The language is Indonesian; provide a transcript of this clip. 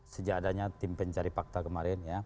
sejadanya tim pencari fakta kemarin